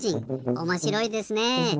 おもしろいですねえ。